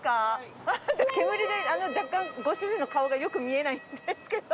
煙で若干ご主人の顔がよく見えないんですけど。